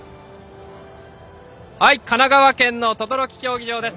神奈川県の等々力陸上競技場です。